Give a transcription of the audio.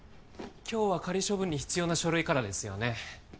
今日は仮処分に必要な書類からですよね